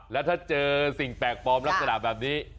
แล้วถ้าเจอสิ่งแปลกปลอมลักษณะแบบนี้